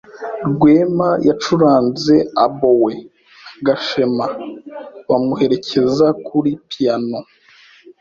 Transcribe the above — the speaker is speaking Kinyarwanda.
Rwema yacuranze oboe na Gashema bamuherekeza kuri piyano.